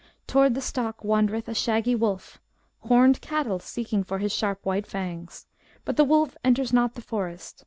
Toward the stock wandereth a shaggy wolf, Homed cattle seeking for his sharp white fangs; But the wolf enters not the forest.